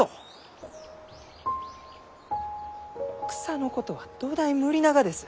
草のことはどだい無理ながです。